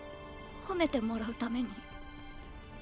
褒めてもらうために。